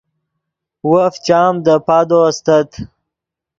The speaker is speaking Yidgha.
وف چام دے پادو استت